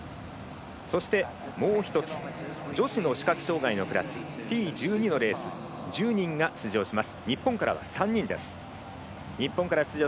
もう１つ女子の視覚障がいのクラスＴ１２のクラス１０人が出場します。